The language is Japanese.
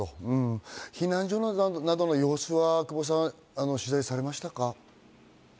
避難所などの様子は取材されましたか？